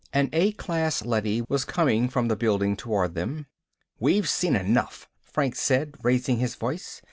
An A class leady was coming from the building toward them. "We've seen enough," Franks said, raising his voice.